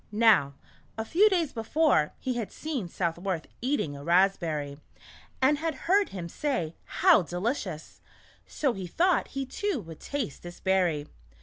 Now, a few days before, he had seen Southworth eating a raspberry, and had heard him say, " How delicious !" so he thought he too would taste this berry.